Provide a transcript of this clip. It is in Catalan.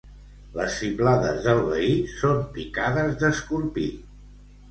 Les fiblades de veí són picades d'escorpí.